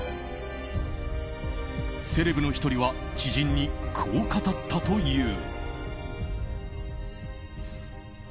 セレブの１人は知人にこう語ったという。